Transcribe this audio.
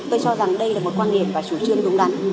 tôi cho rằng đây là một quan điểm và chủ trương đúng đắn